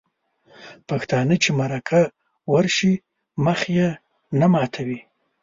پښتانه چې مرکه ورشي مخ یې نه ماتوي.